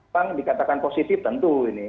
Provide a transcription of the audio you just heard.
bang dikatakan positif tentu ini